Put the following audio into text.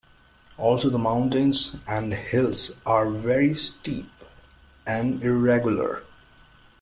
Also the mountains and hills are very steep and irregular.